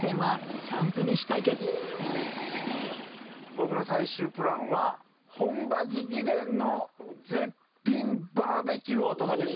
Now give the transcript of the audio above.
僕の最終プランは本場直伝の絶品バーベキューをお届けしようと。